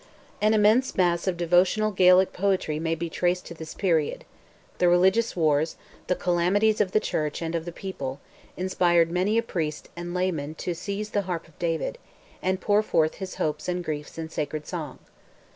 An immense mass of devotional Gaelic poetry may be traced to this period. The religious wars, the calamities of the church and of the people, inspired many a priest and layman to seize the harp of David, and pour forth his hopes and griefs in sacred song.